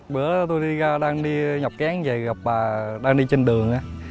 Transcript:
bữa đó tôi đang đi nhọc kén và gặp bà đang đi trên đường